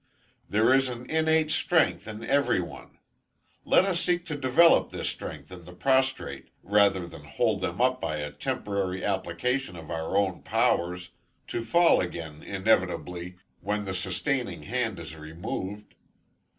There is innate strength in every one; let us seek to develop this strength in the prostrate, rather than hold them up by a temporary application of our own powers, to fall again, inevitably, when the sustaining hand is removed.